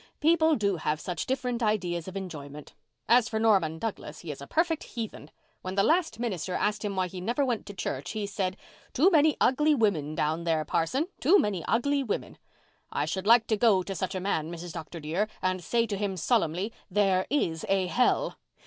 People do have such different ideas of enjoyment. As for Norman Douglas, he is a perfect heathen. When the last minister asked him why he never went to church he said 'Too many ugly women there, parson—too many ugly women!' I should like to go to such a man, Mrs. Dr. dear, and say to him solemnly, 'There is a hell!